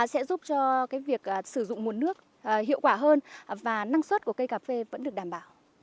sẽ giúp cho việc sử dụng nguồn nước hiệu quả hơn và năng suất của cây cà phê vẫn được đảm bảo